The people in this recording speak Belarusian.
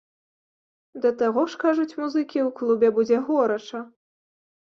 Да таго ж, кажуць музыкі, у клубе будзе горача!